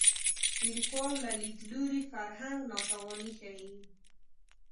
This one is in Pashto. د لیکوال له لید لوري فرهنګ ناتواني ښيي